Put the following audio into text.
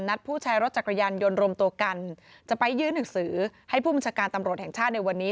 ผู้ใช้รถจักรยานยนต์รวมตัวกันจะไปยื่นหนังสือให้ผู้บัญชาการตำรวจแห่งชาติในวันนี้